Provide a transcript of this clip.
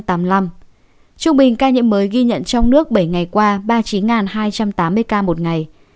trung bình ca nhiễm mới ghi nhận trong nước bảy ngày qua ba mươi chín hai trăm tám mươi ca một ngày